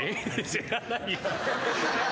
知らないよ。